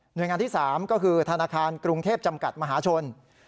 โดยงานที่๓ก็คือธนาคารกรุงเทพจำกัดมหาชน